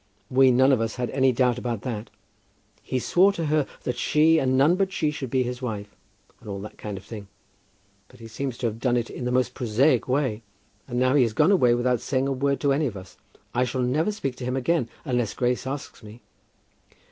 We none of us had any doubt about that. He swore to her that she and none but she should be his wife, and all that kind of thing. But he seems to have done it in the most prosaic way; and now he has gone away without saying a word to any of us. I shall never speak to him again, unless Grace asks me."